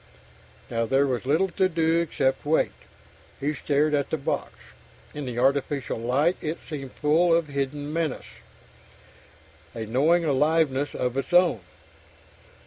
Now there was little to do except wait. He stared at the box; in the artificial light it seemed full of hidden menace, a knowing aliveness of its own....